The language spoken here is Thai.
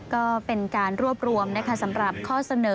ก็เป็นการรวบรวมสำหรับข้อเสนอ